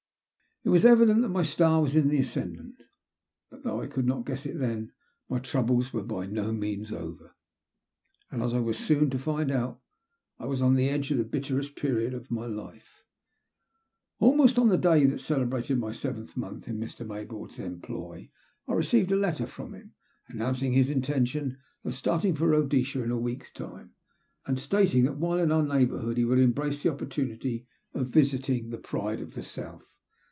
It was evident that my star was in the as cendant, but, though I could not guess it then, my troubles were by no means over ; and, as I was soon to find out, I was on the edge of the bitterest period of all my life. Almost on the day that celebrated my seventh month in Mr. Maybonme's employ, I received a letter 234 THB LUST OF HATE. from him announcing his intention of startin^r for Bhodesia in a week's time, and stating that while in oiir neighbourhood he would embrace the opportum'tj of visiting " The Pride of the South."